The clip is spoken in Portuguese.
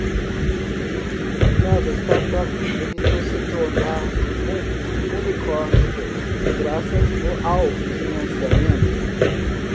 Nossa startup evitou se tornar um 'Unicorpse' graças ao financiamento.